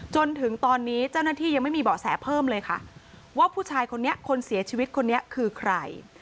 จนถึงตอนนี้เจ้าหน้าที่ยังไม่มีเบาะแสเพิ่มเลยค่ะว่าผู้ชายคนนี้คนเสียชีวิตคนนี้คือใคร